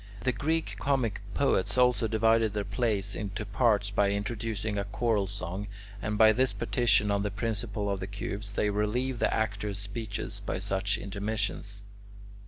The Greek comic poets, also, divided their plays into parts by introducing a choral song, and by this partition on the principle of the cubes, they relieve the actor's speeches by such intermissions.